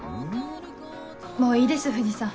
もういいです藤さん。